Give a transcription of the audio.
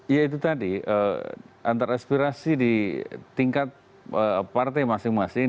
ya itu tadi antar aspirasi di tingkat partai masing masing